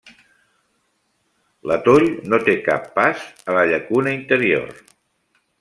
L'atol no té cap pas a la llacuna interior.